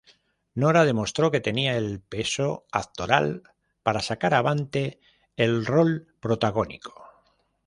Nora demostró que tenía el peso actoral para sacar avante el rol protagónico.